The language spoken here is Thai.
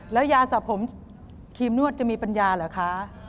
แล้วยาสับผมครีมนวดจะมีปัญญาเหรอคะ